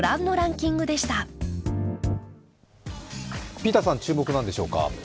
ピーターさん、注目何でしょうか？